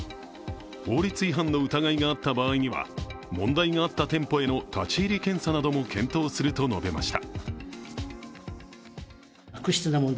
法律違反の疑いがあった場合には問題があった店舗への立ち入り検査なども検討すると述べました。